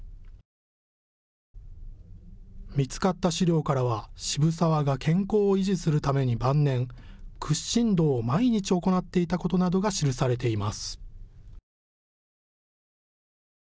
見つかった資料からは、渋沢が健康を維持するために晩年、屈伸道を毎日行っていたことなどが記されています。